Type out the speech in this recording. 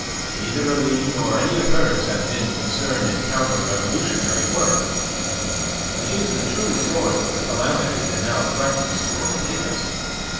Neither Aline nor any of hers have been concerned in counter revolutionary work, which is the true source of the calamity that now threatens to overtake us.